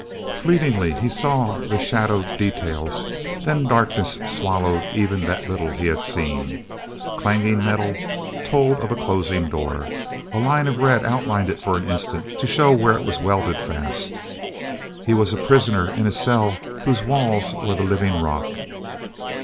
Fleetingly he saw the shadowed details; then darkness swallowed even that little he had seen. Clanging metal told of a closing door; a line of red outlined it for an instant to show where it was welded fast. He was a prisoner in a cell whose walls were the living rock.